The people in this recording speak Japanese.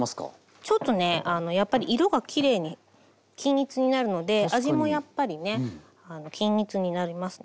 ちょっとねやっぱり色がきれいに均一になるので味もやっぱりねあの均一になりますね。